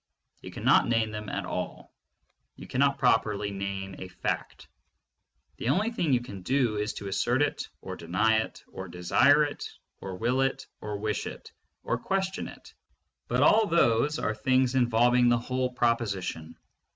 You cannot name them at all. You cannot properly name a fact. The only thing you can do is to assert it, or deny it, or desire it, or will it, or wish it, or question it, but all those are things involving the whole proposition.